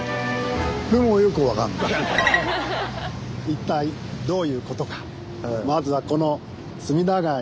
一体どういうことか。